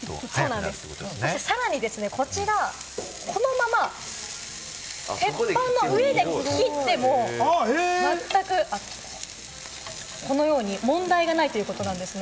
そしてさらにこちら、このまま、鉄板の上で切ってもまったく、このように問題がないということなんですね。